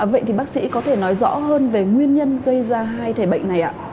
vậy thì bác sĩ có thể nói rõ hơn về nguyên nhân gây ra hai thể bệnh này ạ